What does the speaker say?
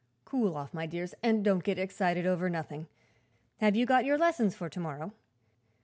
Cool off, my dears, and don't get excited over nothing. Have you got your lessons for to morrow?"